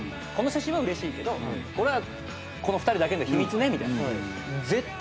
この写真はうれしいけどこれはこの２人だけの秘密ね。